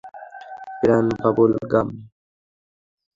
প্রাণ বাবল গাম।